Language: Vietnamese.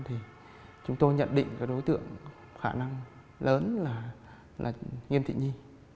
thì chúng tôi nhận định cái đối tượng khả năng lớn là nhiêm thị nhi